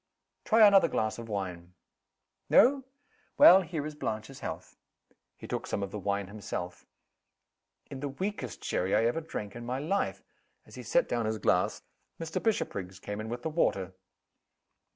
Try another glass of wine. No? Well here is Blanche's health" (he took some of the wine himself), "in the weakest sherry I ever drank in my life." As he set down his glass, Mr. Bishopriggs came in with the water.